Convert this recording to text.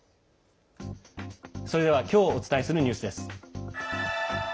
それでは今日お伝えするニュースです。